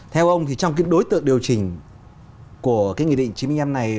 theo ông thì trong đối tượng điều chỉnh của nghị định chín mươi năm này